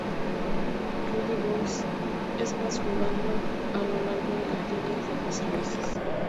Rude Boy es más jugando a lo largo de las líneas de mis raíces.